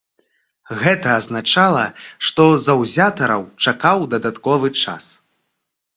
Гэта азначала, што заўзятараў чакаў дадатковы час.